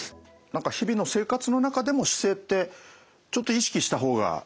何か日々の生活の中でも姿勢ってちょっと意識した方がいいですね。